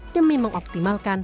demi mengoptimalkan perubahan